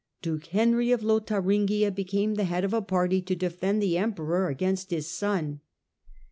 Duke Henry of Lotharingia became the head of a party to defend the emperor against his son.